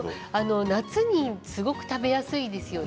夏にすごく食べやすいですよね。